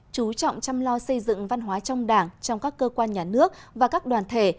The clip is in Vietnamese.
chú trọng chăm lo xây dựng văn hóa trong đảng trong các cơ quan nhà nước và các đoàn thể